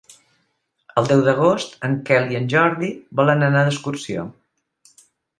El deu d'agost en Quel i en Jordi volen anar d'excursió.